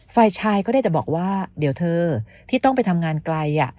ฝ่ายชายก็ได้แต่บอกว่าเดี๋ยวเธอที่ต้องไปทำงานไกล